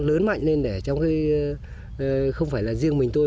lớn mạnh lên để trong cái không phải là riêng mình tôi